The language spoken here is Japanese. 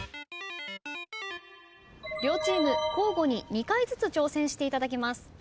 両チーム交互に２回ずつ挑戦していただきます。